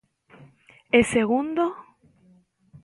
E segundo.